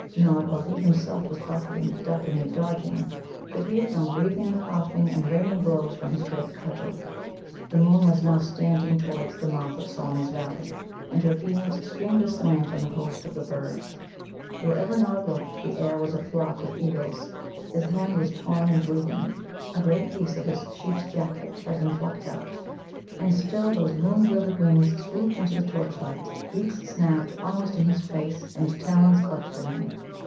Nod, while he himself was buffeting, ducking and dodging, could hear Thumb breathing and coughing and raining blows with his great cudgel. The moon was now sliding towards the mouth of Solmi's Valley, and her beams streamed aslant on the hosts of the birds. Wherever Nod looked, the air was aflock with eagles. His hand was torn and bleeding, a great piece of his sheep's jacket had been plucked out, and still those moon gilded wings swooped into the torchlight, beaks snapped almost in his face, and talons clutched at him.